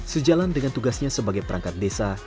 sejalan dengan tugasnya sebagai perangkat desa